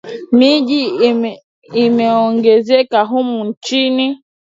Miji imeongezeka humu nchini